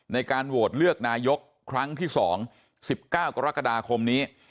ในการโหวตเลือกนายกครั้งที่๒๑๙กรกฎาคมนี้